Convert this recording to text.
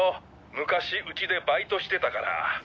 昔うちでバイトしてたから。